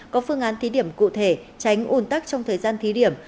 có phương án thí điểm cụ thể tránh ủn tắc trong thời gian thí điểm